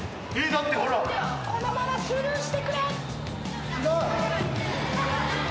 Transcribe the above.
このままスルーしてくれ。